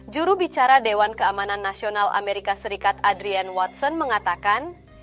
jurubicara dewan keamanan nasional amerika serikat adrian watson mengatakan